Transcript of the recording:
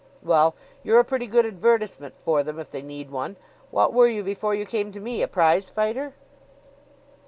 "Well, you're a pretty good advertisement for them if they need one. What were you before you came to me a prize fighter?"